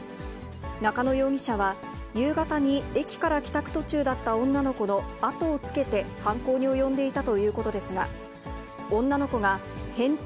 中野容疑者は、夕方に駅から帰宅途中だった女の子の後をつけて、犯行に及んでいたということですが、女の子が、変態！